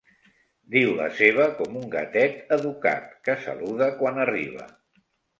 Diu la seva com un gatet educat, que saluda quan arriba.